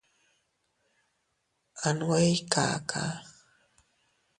A nwe ii kakaa.